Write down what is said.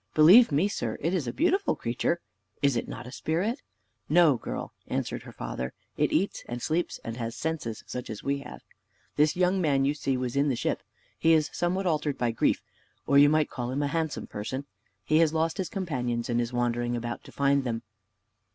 Believe me, sir, it is a beautiful creature. Is it not a spirit?" "No, girl," answered her father; "it eats, and sleeps, and has senses such as we have. This young man you see was in the ship. He is somewhat altered by grief, or you might call him a handsome person. He has lost his companions, and is wandering about to find them."